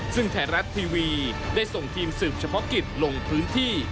ซึ่งไทยรัฐทีวีได้ส่งทีมสืบเฉพาะกิจลงพื้นที่